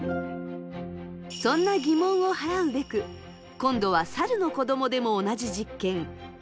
そんな疑問を払うべく今度はサルの子どもでも同じ実験。